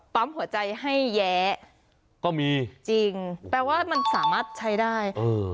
ปั๊มหัวใจให้แย้ก็มีจริงแปลว่ามันสามารถใช้ได้เออ